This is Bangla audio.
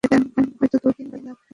হয়তো দু দিন বা তিন দিন লাগল।